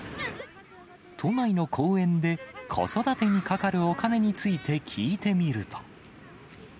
都内の公園で、子育てにかかるお金について聞いてみると。